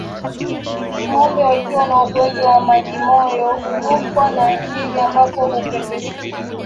Ngombe wakiwa na ugonjwa wa majimoyo hurukwa na akili ambapo hupepesuka